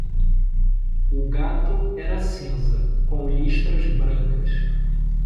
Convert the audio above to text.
O gato era cinza, com listras brancas.